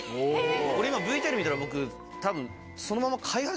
これ今ＶＴＲ見たら僕たぶん。